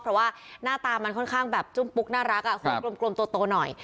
เพราะว่าหน้าตามันค่อนข้างแบบจุ้มปุ๊กน่ารักหัวกลมโตหน่อย